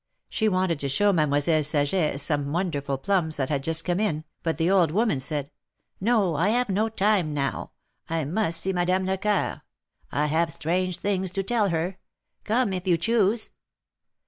She wanted to show Mademoiselle Saget some wonderful plums that had just come in, but the old woman said : ^'No, I have no time now. I must see Madame Lecoeur. I have strange things to tell her ; come, if you choose.